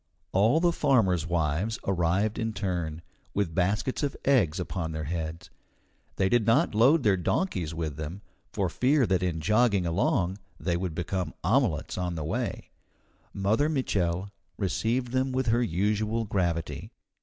All the farmers' wives arrived in turn, with baskets of eggs upon their heads. They did not load their donkeys with them, for fear that in jogging along they would become omelettes on the way. Mother Mitchel received them with her usual gravity.